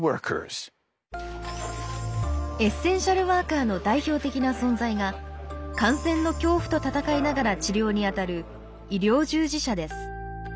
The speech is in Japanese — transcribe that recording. エッセンシャルワーカーの代表的な存在が感染の恐怖と闘いながら治療に当たる医療従事者です。